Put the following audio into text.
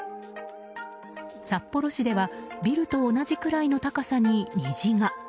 札幌市ではビルと同じくらいの高さに虹が。